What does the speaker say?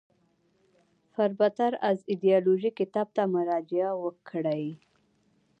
فربه تر از ایدیالوژی کتاب ته مراجعه وکړئ.